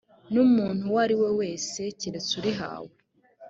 n umuntu uwo ari we wese keretse urihawe